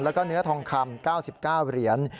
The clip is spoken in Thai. แล้วก็เนื้อทองคำ๙๙เหรียญ